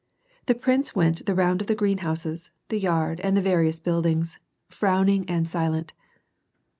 The prince went the round of the greenhouses, the yard, and the various buildings, frowning and silent.